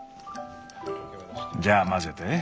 じゃあ混ぜて。